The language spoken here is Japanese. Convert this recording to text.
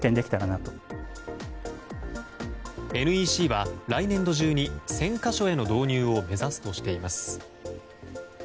ＮＥＣは来年度中に１０００か所への導入を目指すとしています。